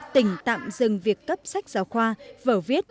tỉnh tạm dừng việc cấp sách giáo khoa vở viết